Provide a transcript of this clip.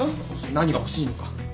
何が欲しいのか。